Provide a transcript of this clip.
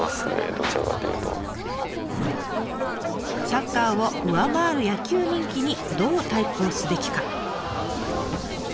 サッカーを上回る野球人気にどう対抗すべきか。